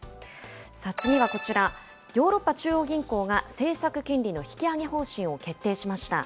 次はこちら、ヨーロッパ中央銀行が政策金利の引き上げ方針を決定しました。